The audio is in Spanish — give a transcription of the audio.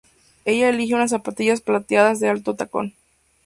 Ella elige unas zapatillas plateadas de alto tacón.